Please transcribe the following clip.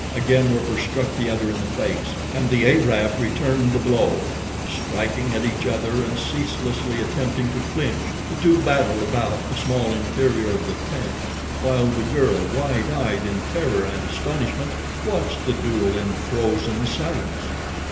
Again Werper struck the other in the face, and the Arab returned the blow. Striking at each other and ceaselessly attempting to clinch, the two battled about the small interior of the tent, while the girl, wide eyed in terror and astonishment, watched the duel in frozen silence.